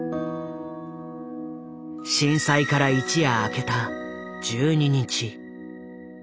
震災から一夜明けた１２日。